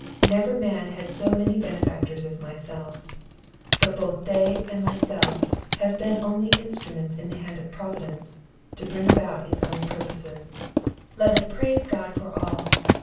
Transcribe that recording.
Never man had so many benefactors as myself; but both they, and myself, have been only instruments in the hands of Providence, to bring about its own purposes; let us praise God for all!